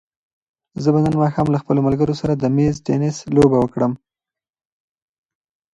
زه به نن ماښام له خپلو ملګرو سره د مېز تېنس لوبه وکړم.